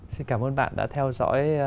xin cảm ơn bạn đã theo dõi